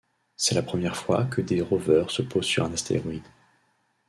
C'est la première fois que des rovers se posent sur un astéroïde.